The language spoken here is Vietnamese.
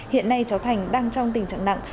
hiện nay cháu thành đang trong tình trạng nặng